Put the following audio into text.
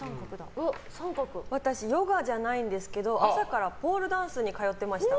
私、ヨガじゃないんですけど朝からポールダンスに通ってました。